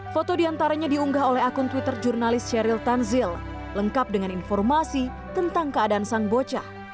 foto diantaranya diunggah oleh akun twitter jurnalis sheryl tanzil lengkap dengan informasi tentang keadaan sang bocah